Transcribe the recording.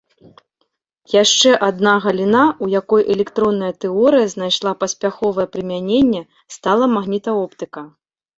Яшчэ адна галіна, у якой электронная тэорыя знайшла паспяховае прымяненне, стала магнітаоптыка.